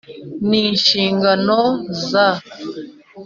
N inshingano za cnlg